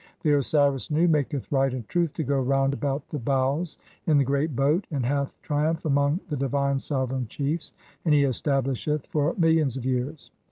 "The Osiris Nu maketh right and truth to go round about the "bows in the Great Boat, (26) and hath triumph among the "divine sovereign chiefs, and he establisheth [it] for millions of "years.